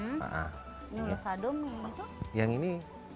ini sadum yang ini